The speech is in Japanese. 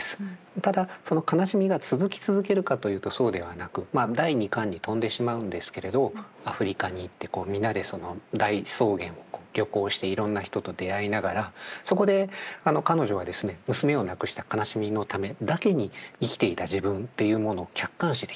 ただその悲しみが続き続けるかというとそうではなく第２巻に飛んでしまうんですけれどアフリカに行ってみんなで大草原を旅行していろんな人と出会いながらそこで彼女はですね娘を亡くした悲しみのためだけに生きていた自分というものを客観視できる。